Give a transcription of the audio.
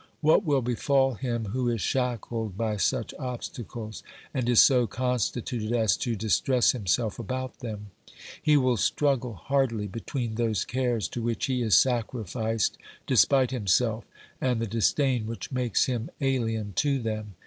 What will befall him who is shackled by such obstacles and is so constituted as to distress himself about them ? He will struggle hardly between those cares to which he is sacrificed despite himself, and the disdain which makes him alien to them.